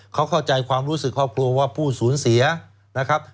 เขาเข้าใจความรู้สึกครอบครัวว่าผู้สูญเสียนะครับ